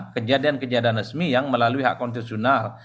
kejadian kejadian resmi yang melalui hak konstitusional